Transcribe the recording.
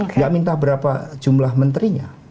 tidak minta berapa jumlah menterinya